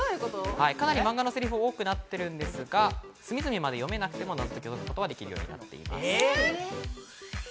漫画のセリフが多くなっているんですが、隅々まで読めなくても解くことはできるようになっています。